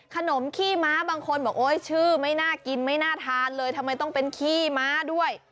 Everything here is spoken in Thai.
ขนมขี้ม้าบางคนบอกโอ๊ยชื่อไม่น่ากินไม่น่าทานเลยทำไมต้องเป็นขี้ม้าด้วย